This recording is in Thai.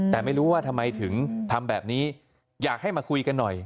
แต่ไม่รู้ว่าทำไมถึงทำแบบนี้อยากให้มาคุยกันหน่อย